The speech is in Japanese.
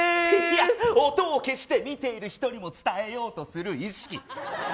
音を消して見ている人にも伝えようとする意識。